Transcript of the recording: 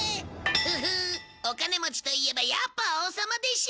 フフッお金持ちといえばやっぱ王様でしょ。